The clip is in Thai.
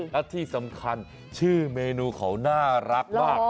และที่สำคัญชื่อเมนูเขาน่ารักมาก